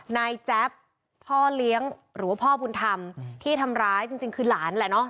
แจ๊บพ่อเลี้ยงหรือว่าพ่อบุญธรรมที่ทำร้ายจริงคือหลานแหละเนอะ